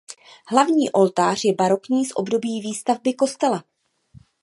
Hlavní oltář je barokní z období výstavby kostela.